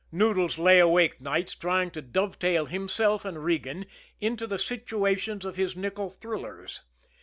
Noodles lay awake nights trying to dovetail himself and Regan into the situations of his nickel thrillers.